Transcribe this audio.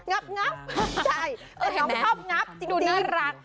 งับใช่แต่น้องชอบงับจริง